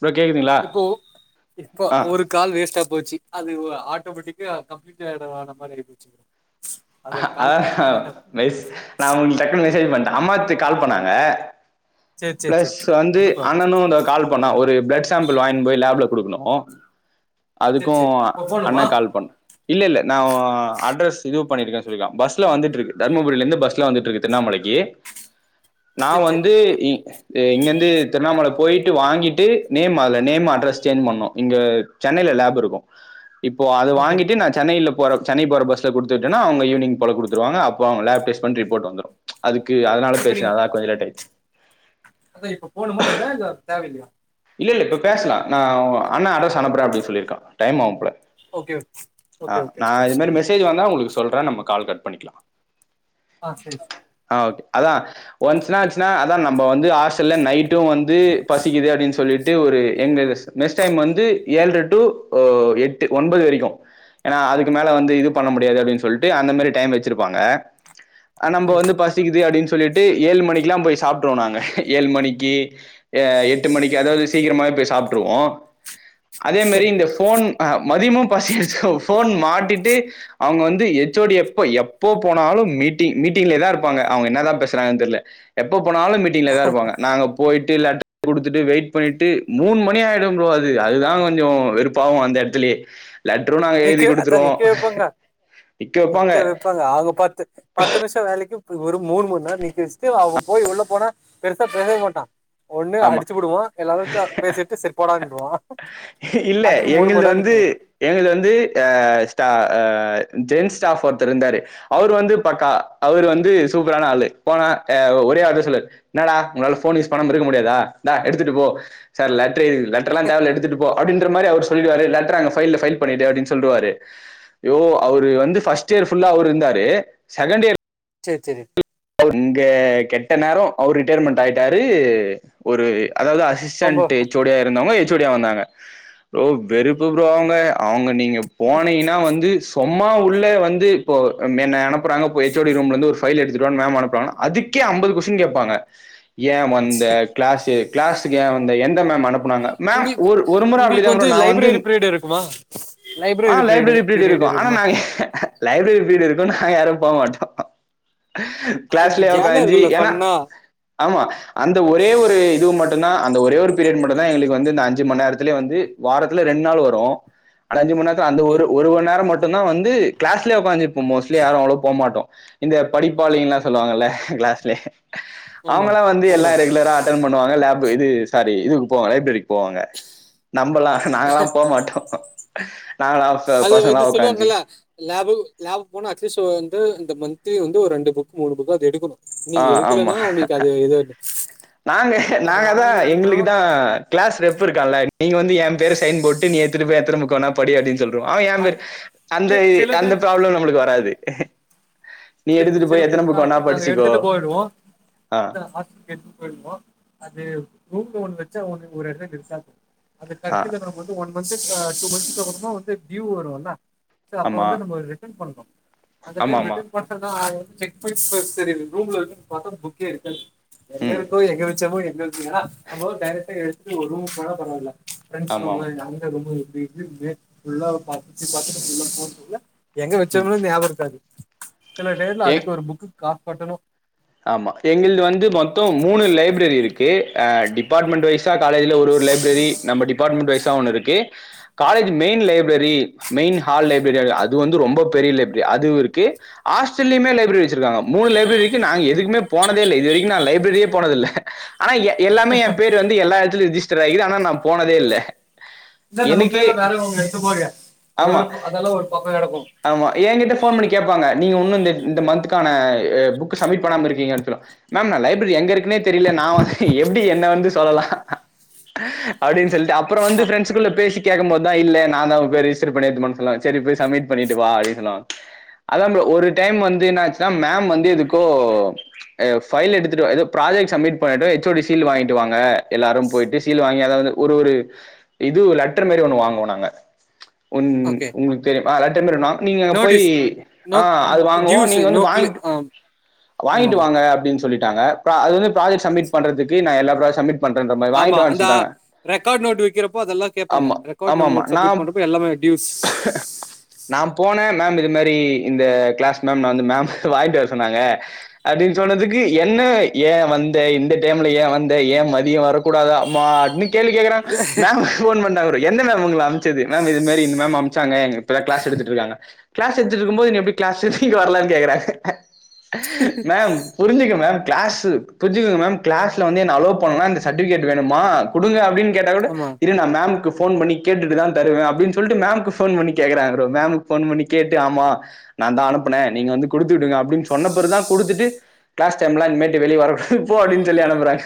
Bro கேக்குதுங்களா இப்போ இப்ப ஆ ஒரு கால் வேஸ்ட் ஆ போச்சு அது ஆட்டோமேட்டிக்கா கம்ப்ட்ட இடம் ஆன மாரிஆச்சு நான் உங்களுக்கு டக்குன்னு மிசேஜ் பண்ணேன் அம்மாத்து கால் பண்ணாங்க சரி சரி பிளஸ் சரி சரி வந்து ஒன்னும் ப்ராப்ளம் அண்ணனும் கால் பண்ணா ஒரு பிளட் சாம்பிள் வாங்க போய் லேப்ல குடுக்கணும் சரி அதுக்கும் சரி இப்ப அண்ணா போணுமா கால் பண்ண இல்ல இல்ல நான் அட்ரெஸ் இது பண்ணிருக்க சொல்ல பஸ்ல வந்துட்டு இருக்கு தர்மபுரியில இருந்து பஸ்ல வந்துட்டு இருக்கு திருண்ணாமலைக்கு நா சரி சரி வந்து இங்கந்து திருண்ணாமலை போயி வாங்கிட்டு நேம் நேம் அட்ரஸ் சேஞ் பண்ணும் இங்க சென்னைல லேப் இருக்கும் இப்போ அது ஓகே வாங்கிட்டு ஓகே நான் சென்னையில போற சென்னை போற பஸ்ல குடுத் [unintelligible] இவினங் போல குடுத்துருவங்க அப்பங்கட பிரிவு வந்துரும் அக்கு அதனால இப்ப பேசுன் நீங்க அதான் கொஞ்சம் லேட்ஆச்சு அதான் இப்ப போனுமா நீங்க தேவயில்லையா இல்லை இல்லை இப்ப பேசலம் நான் அண்ண அரஸ்னுப்புகிறேன் அப்படினு சொியிருக்க டைம் ஆகும்போல ஓகே ஓகே ஓகே ஆஹ் ஓகே நான் சரி இது மாதிரி மெசேஜ் வந்தா உங்களுக்கு சொல்றன் நம்ம கால் கட் பண்ணிக்கலாம் ஆஹ் சரி சரி ஆ ஓகே. அதான் ஒன்ஸ் என்னா ஆச்சுனா அதான் நம்ம வந்து ஹாஸ்டல்ல நைட் வந்து பசிக்குது அப்படின்னு சொல்லி சொல்லிட்டு வந்து ஏளற டூ எட்டு ஒன்பது வரைக்கும் அதுக்கு மேல் வந்து இ பண்ண முடியாது சொ அந்த டை வச்சிருப்பாங்க நம் சரி வந்து பசிக்குது அப்படின்னு சொல்லிட்டு ஏழு மணிக்கு எல்லாம் போய் சாப்பிட்டுருவன் நாங்க ஏழு மணிக்கு எட்டு மணிக்கு சீக்கிரமா போய் சாப்பிட்டுருவோம் அதே மெரி சரி இந்த போன் மதியமும் பசி போன் மாட்டிட்டு அவங்க வந்து எச்ஓடி எப்ப போனாலும் மீட்டிங் மீட்டிங்களா இருப்பாக அவங்க என்னதான் பேசுறாங்க தெரிய எப்போ போனாலும் மீட்டிங் இருப்பங்க நாங்க போயிட்டு போய் லேட்டர் கொடுத்துட்டு வெயிட் பண்ணிட்டு மூணு மணி ஆயிடும் ப்ரோ அது அதுதான் கொஞ்சம் வெறுப்பாகும் அந்த இடத்துலயே லெட்டரும் நாங்க நிக்க எழுதி அதான் குடுத்துருவோம். நிக்க வைப்பாங்க நிக்க வைப்பாங்க அவங்க பத்து பத்து நிமிஷம் வேலைக்கு ஒரு மணு மூணு நேர நீக்கவச்சுட்டு அவன் போய் உள்ள போனா பெருசா பேசவே மாட்டான் ஒண்ணு ஆமா. அடிச்சு புடுவோம் எல்லாரும் பேசிட்டு சரி போடானு சொல்லுவான் இல்ல அதுக்கு மூணு மணி நேரம் நிக்கணும் சென்ஸ் ஸ்டாப் ஒருத்தர் இருந்த அவர் வந்து பக்கா அவர் வந்து சூப்பரான ஆளு போனா ஒரே வார்த்தை சொல்லுவாரு என்னடா உங்களால போன் யூஸ் பண்ணாம இருக்க முடியாதா இருக்க முடியாதா தா எடுத்துட்டு போ சார் லட் லெட்டார்லாம் தேவ இல்ல எடுத்துட்டு போ அப்ப மாதிரி சொல்லிவரு லர் பாயில் லா பைல் பண்ணிட்டு அப்படின்னு சொல்லுவாரு யோவ் அவர் வந்து பஸ்ட் இயர்ல்லார் ஃபுல்லா இருந்தரு செகண்ட் இயர் செரி செரி இங்க கெட்ட நேரம் அவர் ரிட்டையர்மெண்ட் ஆயிட்டாரு ஒரு அதாவது அசிஸ்டன் ரொம்ப ஹெஓடியா இருந்தங்க ஹெஓடியா வந்தாங்க வெறுப்பு ப்ரோ அவங்க அவங்க நீங்க போனீங்கன்னா வந்து சொமா அம்மா உள்ள வந்து இப்போ என்ன அனுப்புறங்க எச்ஓடி ரூம்ல இருந்து ஒரு ஃபைல் எடுத்து மேம் அனுப்பு நாங்க அதுக்கே ஐம்பது கொஸ்டின் கேட்பாங்க ஏன் வந்த கிளாஸ் கிளாஸ ஏன் எந்த மேம் அனுப்பு [unintelligible] மேம் உங்களுக்கு ஒரு ஒரு முறை அப்படி உங்களுக்கு நான் வந்து ப்ரோவந்து லைப்ரரி பீரியட் இருக்குமா ஆ லைப்ரரி பீரியட் இருக்கும் ஆனா லைப்ரரி பீட இருக்கு ந யாரும் போக மாட்டேன் கிளாஸ் அது ல ஜாலியா காஞ்சி இருக்குல்ல ஏன்னா ஃபன்னா ஆமா அந்த ஒரே ஒரு இது மட்டும்தான் அந்த ஒரே ஒரு பீரியட் மட்டும் தான் எங்களுக்கு வந்து இந்த அஞ்சு மணி நேரத்த வாரத்தில் ரெண்டு நாள் வரும் ஆனா அஞ்சு மணி நேரம் அந்த ஓகே ஒரு ஒரு மணி நேரம் மட்டும் இதுனா வந்து கிளாஸ் கீழ உட்கந்துப்போம் மோஸ்லி யாரும் அவ்ளோ போமாட்டம் இந்த படிப்பாளிங்கல்லாம் சொல்லுவாங்கல்ல கிளாஸ்லே ஆமா அவங்களாம் வந்து ஆமா எல்லாம் ரெகுலரா அட்டன் பண்ணுவாங்க லேப் இது சாரி இதுக்கு போவாங்க லைப்ரரிக்கு போவாங்க நம்பலா நாங்கலா போமாட்டோ [unintelligible] அது வந்து சொல்லுவாங்கல லேபு லேபு போனா அட்லீஸ்ட் ஒ து இந்த மந்த்லி வந்து ஒரு ரெண்டு புக் மூணு புக்காது எடுக்கணு ஆ நீங்க எடுக்கலன்னா ஆமா. உங்களுக்கு அது எதட்டு நாங்க நாங்க தா எங்களுக்கு தா கிளாஸ் ரெப்புருக்கால நீங்க வந்து யபேர சைன் போட்டு நீ ஏத்துட்டு வே எத்தர முக்கனா படி அப்டின் சொல் ருவ அது எபேரு அந்த சில அந்த ப்ராப்ளம் நம்முளுக்கு வராது நீ சில் எடுத்துட்டு சில போய் எத்தனை புக்கு வேணா பேர்ன்னாகு நாங்க படிச்சுக்கோ எடுத்துட்டு போய்டுவோம் [inaudible] ஆ அது ரூம்பு ஒண்ணு வச்சா ஒன்னு ஒரு எடத் டிஸ்ஸாகு அது ஆ கட்டுல நம்ம வந்து ஒன் மந்த்து [inaudible] வந்து டூயூ வருல ச அப்ப ஆமா வந்து நம்ம ரிட்டன் பண்ணு அந்த ஆமா டைம் ஆமா ரிட்டன் ஆவந் செக் பண்ணி தெரியுது ரூம்ல வந்து பாத்த புக்கே இருக்கது ம் எங்கரு கோய எங்கவச்சமோ [inaudible] டைரக்டா ஒர் ரூம் போன பராவல ப்ரெண்ட்ஸ் ஆமா ரூம் ஆமா அங்க ரொமு [inaudible] எங்க வச்சோமுனு ஞாபகருக்காது சில டேர்ல அதுக்கு ஏ ஒரு புக் காப்பட்டணு ஆமா எங்குலுது வந்து மொத்த மூணு லைப்ரரி கு அ டிபார்ட்மெண்ட் வைஸ் ச்சா காலயில ஒரு ஒரு லைப்ரரி நம்ம டி டிபார்ட்மென்ட் வைசா ஒன்னுருக்கு college main library main hall library அது வந்து ரொம்ப பெரிய லைப்ரரி அதுவுருக்கு ஆஸ்டலுமே லைப்ரரி வச்சிருக்காங்க மூணு லைப்ரரி எதுக்குமே போனதே இல்ல இது வரைக்கு நா லைப்ரரியே போனதுல்ல ஆனா எல்லாமே என் பேரு வந்து எல்லா எடத்திலு ரிஜிஸ் ராகிது ஆனா நா போனதே இல்ல ன்ன நம்ப எனக்கே பேர்ல நானே ஒன்னு எத்தமாரி ஆமா அதல்லா ஒரு பக்கம் இருக்கும் ஆமா. என்கிட்ட ஃபோன் பண்ணி கேட்பாங்க. நீங்க ஒன்னு இந்த இந்த மந்த்க்கான புக் சமிட் பண்ணாம இருக்கீங்க ஆக்சுவலா மேம் நா லைப்ரரி எங்க இருக்குனே தெரியல எப்படி என்ன வந்து சொல்லாம் அப்படின்னு சொல்லி அப்புறம் வந்து ஃபிரெண்டஸ் குள்ள பேசி கேக்கும் போதான் இ்ல்ல நான் தா பெரிய இஸ்யூ பண்ணிடுமா சொன்னாங்க செரி போய் சமிட் பண்ணிட்டு வா அப்படி சொன்னாங்க அதான் ப்ரோ ஒரு டைம்வந்து என்னாச்சுன்னா மேம் வந்து எதுக் ப்ரோ ஃபைல் எடுத்துட்டுவா ஏதோ ப்ராஜக்ட் சமிட் பண்ண எச் ஓ டி சீல் வாங்கிட்டு வாங்க எல்லாரும் போய்ட்டு சீல் வாங்கி அதாது ஒரு ஒரு இது லெட்டர் மாரி ஒண்ணு வாங்குவோம் நாங்க உம் ஓகே உங்களுக்கு தெரியும் லெட்டர் மாரி நீங்க போய் நோட்டீஸ் நோ ஆஹ் அது வாங்குவோம் டியூஸ் நீங்க வந்து நோ கிளி வாங்கிட்டு ஆமா வாங்கிட்டு ஆமா வாங்க அப்படின்னு சொல்லிட்டாங்க அது வந்து ப்ராஜெக்ட் சமிட் பண்றதுக்கு ந எல்லா ப்ராஜக் சமிட் ஆமா அந்த ரெக்கார்ட் நோட் விக்கிறப்போ அதெல்லாம் கேப்பாங்க ஆமா ரெக்கார்ட் ஆமாமா நம்ம நா சப்மிட் பண்றப்போ எல்லாமே டியூஸ்ஸ் நா போனே மேம் இது மாரி இந்த கிளாஸ் மேம் நான் வந்து மேம் வாங்கிட் வர சொன்னாங்க அப்படின்னு சொன்னதுக்கு என்ன ஏன் வந்த இந்த டைம்ல ஏன் வந்த ஏன் மதியம் வரக்கூடாதா அம்மா அட்மீட் கேள்வி கேட்கறன் மேம் ஃபோன் பண்ணாங்க எந்த மேம் உங்கள அமிச்சது மேம் இதுமாரி இந்த மேம் அனுப்சாங்க கிளாஸ் எடுத்துட்டுருக்காங்க கிளாஸ் எடுத்துட்டு இருக்கும் போது எப்படி கிளாஸ் தி வரலாம்னு கேக்குறாங்க மேம் புரிஞ்சுக்க மேம் கிளாஸ் புரிஞ்சுங்கமேம் கிளாஸ்ல வந்து என் அலோவ் பண்ணல சர்டிபிகேட் வேணுமா கொடுங்க அப்படின்னு கேட்டா கூட ஆமா இரு நா மேம்க்கு ஃபோன் பண்ணி கேட்டுட்டு தான் தருவேன் அப்புடின்னு சொல்லிட்டு மேம்க்கு ஃபோன் பண்ணி கேக்றாங்க ப்ரோ மேம்க்கு ஃபோன் பண்ணி கேட்டு ஆமா நான்தான் அனுப்புனே நீங்க வந்து கொடுத்துடுங்க அப் சொன்ன பொருதான் குடுத்துட்டு கிளாஸ் டைம் லாம் இனிமே இப்படி வெளிய வரக்கூடாது இப்போ அப்படின்னு சொல்லி அனுப்புறாங்க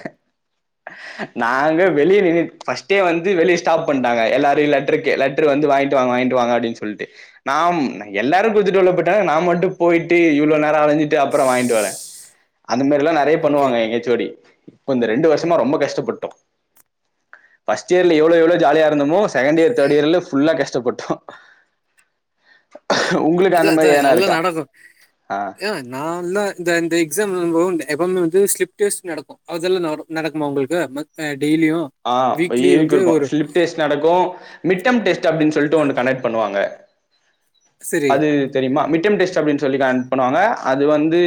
நாங்க வெளிய நின்னுட் ஃபஸ்டே வந்து வெளில ஸ்டாப் பண்ணிடாங்க எல்லாரும் லெட்ரு வாங்கிட்டு வாங்க அப்படின்னு சொல்லிட்டு நா எல்லாரும் கொடுத்துட்டு உள்ள போயிட்டாங்க நா மட்டும் போயிட்டு இவ்ளோ நேரம் அலஞ்ச ட்டு அப்புறம் வாங்கிட்டு வரேன் அந்த மாதிரிலாம் நெறைய ஓகே பண்ணுவாங்க எங்க எச் ஓ டி இப்போ இந்த ரெண்டு வருஷமா ரொம்ப கஷ்டப்பட்டோம் பர்ஸ்ட் இயர்ல எவ்வளோ எவ்வளோ ஜாலியா இருந்தமோ செகண்ட இயர் தேர்ட் இயர்லஃபுல்லா கஷ்ட கஷ்டப்பட்டோம் உங்களுக்கு அது அந்த மாதிரி அதான் வேனா இருக்கா ஆஹ் நான்தான் இந்த இந்த எக்ஸாம் எப்பவுமே வந்து ஸ்லிப் டெஸ்ட் நடக்கும் அதெல்லாம் நடக் நடக்குமா உங்களுக்கு டெய்லியும் ஆஹ் ப வீக்லி எனக்கு வந்து இருக்கும் ஒரு ஸ்லிப்டேஸ்ட் நடக்கும் மிட்டம் டேஸ்ட் அப்படின்னு சொல்லிட்டு ஒன்னு கனெக்ட் பண்ணுவாங்க சரி அது தெரியுமா மிட்டம் டெஸ்ட் அனு சொல்லி பண்ணுவாங்க அது வந்து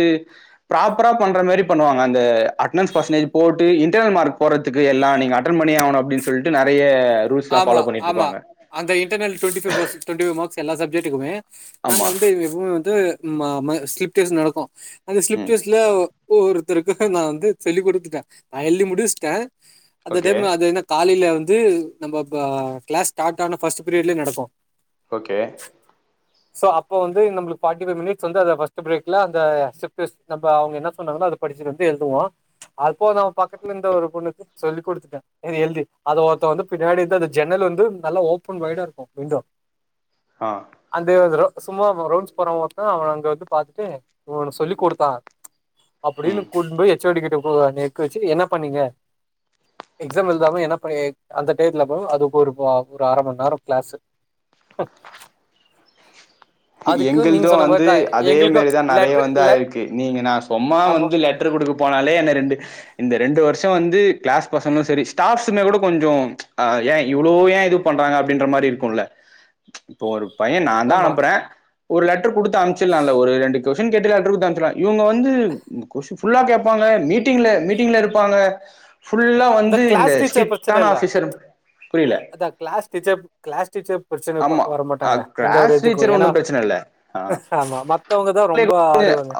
ப்ராப்பரா பண்ற மாரி பண்வாங்க அந்த அட்னன்ஸ் பஸ்ண்டேஜ் போட்டு இன்ரியல் மார்க் போறதுக்கு எல்லாம் நீங்க அட்டென்ட் பண்ணியே ஆகணும் அப்படின்னு சொல்ட்டு நெறைய ரூல்ஸ்லா ஆமா ஃபாலோ பண்ணிட்டு ஆமா இருப்பாங்க அந்த இன்டர்னல் டுவெண்டிைவெிவ் மார்கஸ் எல்ல சஜக்டுக்குமே நாங்க ஆமா வந்து எப்பவுமே வந்துப் நடக்கும் அந்த ம் ஸ்லிப்ஸ்ல ஒவ்ருத்தருக்கும் நான் வந்து சொல்லிக் கொடுத்துட்டேன் நான் எழுி முடிச்சுட்டேன் அந்த ஓகே டைம்ல அது என்ன காலையில வந்து அந்து நம்ம கிளஸ் ஸ்டார்ட் ஆன ஃபர்ஸ்ட்ரியட்ய நடோம் ஓகே சோ அப்ப வந்து நம்ளுக்குார்ட்டிைவ் மிட்ஸ் வந்து ந அவங்க என்ன சொன்னாங்கன்ன அதை படிச்சிட்டு வந்து எழுதுவோம் அப்போ நம பக்கத்துல இரு ஒரு பொண்ணுக்கு சொல்லிக்டுட்டேன் எழுதி அத ஒருத்த வந்து பின்னாடி அது ஜன்னல் வந்து நல்லா ஓபன் வயடா இருக்கும் விண்டோ ஆ அந்தேவந்தரு சும்மா அவ ரவுண்ட்ஸ் போறவங்கான் அவன் அங்க வந்து பாார்த்தட்டு இவன் சொல்லி கொடுத்தான் அப்படின்னு ம் கூ போய் ஹச்ஓடி கிட்ட எக்க வச்சு என்ன பண்ணீங்க எக்ஸாம் எழுதாம என்ன பண்ண அந்த டேத்துல போ அதுக்கு ஒரு ஒரு அரை மணி நேரம் கிளாஸ் அதுக்கு எங்கள நீங்க தும் சொன்ன மாதிரி வந்து தான் அதே எங்களுக்கும் மாதிரிதான் நிறைய லெட்டர் வந்து லெட் ஆயிருக்கு நீங்க நான் சொம்மா ஆமா வந்து லெட்டர் கொடுக்க போனாலே என்ன ரெண்டு இந்த ரெண்டு வருஷம் வந்து கிளாஸ் பசங்களும் சரி ஸ்டாஃப்ஸமே கூட கொஞ்சம் ஏன் இவ்வளோ ஏன் இது பண்றாங்க அப்படின்ற மாதிரி இருக்கும்ல இப்போ ஒரு பையன் நான் தான் ஆமா அனுப்புகிறேன் ஒரு லெட்டர் கொடுத்து அனுிச்ச நல்ல ஒரு ரெண்டு கொஸ்டின் கேட்ட இவங்க வந்து கொஸல்லா கேடாங்க மீட்ட மீட்டிஙல இருப்பாங்க ஃபுல்லா இந்த வந்து கிளாஸ் டீச்சர் பிரச்சனை ஸ்ட்ரிக்டான இல்ல ஆஃபீஸர் புரியல கிளாஸ் டீச்சர் கிளாஸ் டீச்சர் பிரச்சனை ஆமா வர ஆ மாட்டாங்க எந்த ஒரு கிளாஸ் இதுக்கும் டீச்சர் ஏன்னா ஒன்னும் பிரச்சன இல்ல ஆ ஆமா மவங்க தான் ரொம்ப ஆடுவாங்க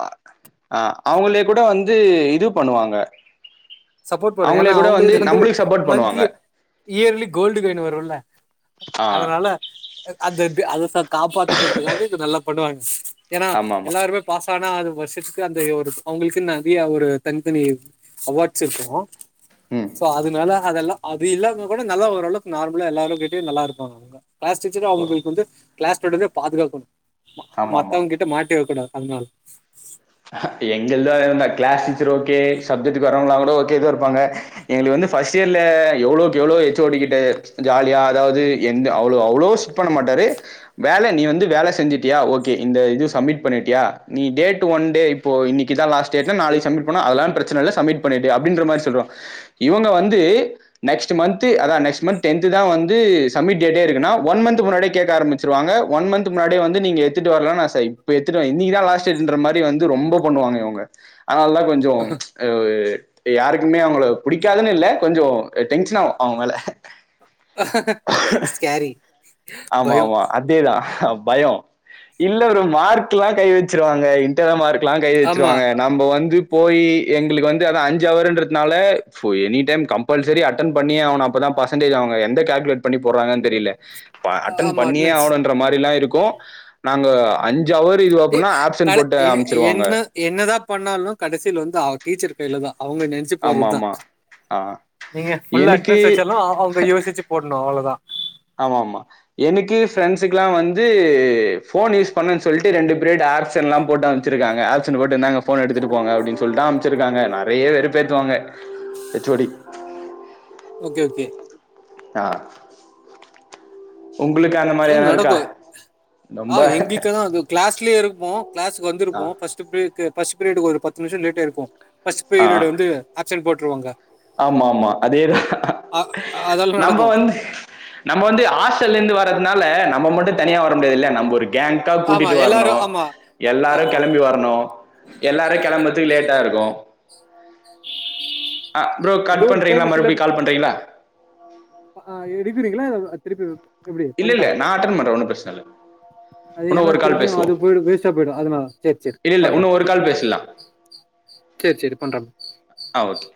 ஆ அவங்களே கூட வந்து இது பண்ணுவாங்க சப்போர்ட் பண்ணற ஏன்னா அவங்களே கூட அவங்களுக்கு வந்து நம்மளுக்கு சப்போர்ட் பண்ணுவாங்க மந்த்திலி இயர்லி கோல்டு காயின் வரும்ல ஆ அதனால அந்த அ காப்பாத்துக்கிறதுக்காக நல்லா போடுவாங்க ஏன்னா ஆமா ஆமா எல்லாருமே பாச து வருஷத்துக்கு அந்த ஒரு அவங்களுக்கு நிறைய ஒரு தனித்தனி அவார்ட் இருக்கம் ம் சோ அததுனால அதுெல்லாம் அது இல்லாமங்க கூட நல்ல ரளவு நார்மலா எல்லாரரும் கேட்டயும் நல்லா இருப்பாங்க அவங்க க்ளஸ் டிச்சர் ஓ அமங்க கொ கிளாஸ் படுறதே பாதுகாக்கணும் ஆமா ஆமா மத்தவங்க கிட்ட மாட்டி வக்கணும் அதனள் எங்க தான்ந்த கிளாஸ் டீச்சர் ஓகே சஜெக்ட வரவங்களா கூ ஓகேதான் இருப்பாங்க எங்களுக்கு வந்து பஸ்ட் இயர்ல எவ்ளோக்கு எவ்ளோ எச்ஓடிக்கிட்ட ஜாலியா அதாவது எ அவோ அவளோ ் பண்ண மாட்டாரு வேலை நீ வந்து வேலை செஞ்சட்டியா ஓ இந்த இது சப்மிட் பண்ணிட்டியா நீ ட் இ [inaudible] வந்து ரொம்ப பண்ணுவாங்க இவங்க அதனால தான் கொஞ்சம் யாருக்கு அவங்க புடிக்காதுன்னு இல்ல கொஞ்சம் டென்ஷன் ஆும் அவங்களால ஸ்கேரி ஆமா - பயோ ஆமா அதேதான் பயம் இல்ல ஒரு மார்க் எல்லாம் கை வச்சிருவாங்க இட மார்க் ல்லாம் கை ஆமா வச்சிருவாங்க நம்ம வந்து போய் எங்களுக்கு வந்து அத அஞ்சு அவர்ன்றதுனாலடைம் கம்பல்சரி அட்டன் பண்ணி அவன அப்பதான் பர்சன்டேஜ் அவங்க எந்த கால்குலேட் பண்ணி போடுறாங்கன்னு தெரியல அட்டன்் ஆமா பண்ணியே அட்டனன்ஸ் ஆகணும்ன்ற மாதிரி எிலாம் இருக்கும் நாங்க அஞ்சு என்ன என்னதான் பண்ணாலும் கடைசியில வந்து அவ டீச்ச கலதா அவங்க நெச்சு போடுறது தான் ஆமாமா. ஆ. நீங்க ஃபுல்ல எனக்கு அட்வன்ஸ் வச்சாலும் அவங்க யோசிச்சு போடணும் அவ்வளோதான் ஆமா - ஆமா எனக்கு பிரண்ட்ுல்லாம் வந்து போன் யூஸ் பண்ணு சொல்லிட்டுண்டு பே ஆ எ போிருக்கா ஆ போட்டுந்தாங்க போன் எடுத்துட்டு போங்க அடின்னு சொிட்டு இருக்காங்க நிறைய வெறு பேற்றுுவாங்க எச்ஓடி ஓகே -ஓகே ஆஹ நடக்கும் ரொம்ப ஆஹ் எங்கிக்கதான் அ கிளாஸ்லய இரு வ கிளாஸு ஆ வந்திருக்கோம் ஃபஸ்ட் பிரேக் பஸ் ப்ரீடு ஒரு பத்து நிமிசம் லேட்டாயிருக்கும் பஸ் ஆ பீரியட் வந்து ஆப்சன் போட்டு வாங்க ஆமா ஆமா அதேதான் அதெல்லா நம்ம நடக்கு வந்து நம்ம வந்து ஹாஸ்டல்ல இருந்து வரதுனால நம்ம மட்டும் தனியா வர முடியாதுல்ல நம்ப ஒரு கேங்க்கா ஆமா கூட்டிட்டு எல்லாரு வரணும் ஆமா எல்லாரும் ஆமா கெளம்பி வரணும் எல்லாரும் கெளம்புறதுக்கு லேட்டாருக்கும் [inaudible] ஆஹ் ப்ரோ அது கட் ஒரு பண்றீங்களா மறுபடி கால் பண்றீங்களா ஆஹ் எடுக்குறீங்களா அத திருப்பி எப்புடி இல்ல பண்டா இல்ல நான் அட்டன் பண்றேன் ஒன்றும் பிரச்சனை இல்ல அது இன்னும் என்ன ஒரு கால் திருப்பியும் அது பேசுவோம் போய் வேஸ்டா போயிடும் அதுான் சேரி சேரி இல்ல இல்ல பண்றேன் இன்னும் ஒரு கால் பேசலாம் சேரி சேரி பண்றேன் ஆ ஓகே